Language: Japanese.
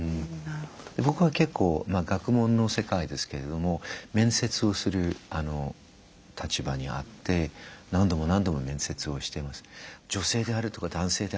僕は結構まあ学問の世界ですけれども面接をする立場にあって何度も何度も面接をしてます。